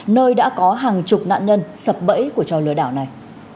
nơi đã có hàng chục nạn nhân sập bẫy của trò lừa đảo này